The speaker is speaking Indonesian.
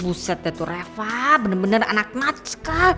buset deh tuh reva bener bener anak natska